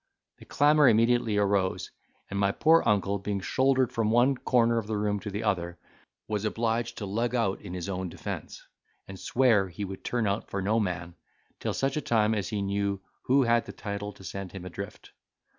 The clamour immediately arose, and my poor uncle, being, shouldered from one corner of the room to the other, was obliged to lug out in his own defence, and swear he would turn out for no man, till such time as he knew who had the title to send him adrift.